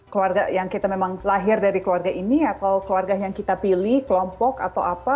keluarga yang kita memang lahir dari keluarga ini atau keluarga yang kita pilih kelompok atau apa